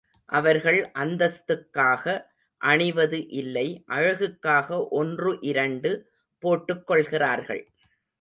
அவர்கள் அந்தஸ்துக்காக அணிவது இல்லை அழகுக்காக ஒன்று இரண்டு போட்டுக்கொள்கிறார்கள்.